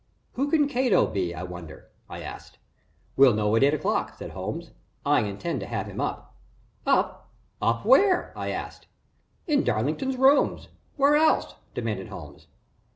"Who can Cato be, I wonder?" I asked. "We'll know at eight o'clock," said Holmes. "I intend to have him up." "Up? Up where?" I asked. "In Darlington's rooms where else?" demanded Holmes.